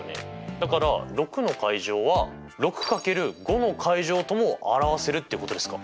だから６！は６×５！とも表せるってことですか。